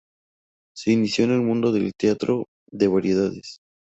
Se inició en el mundo del teatro de variedades.